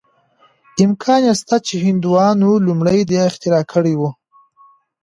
امکان شته چې هندوانو لومړی دا اختراع کړې وه.